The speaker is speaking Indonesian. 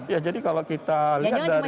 ya jadi kalau kita lihat dari